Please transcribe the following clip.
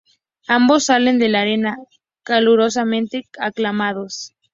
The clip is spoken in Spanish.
Ambos salen de la arena, calurosamente aclamados.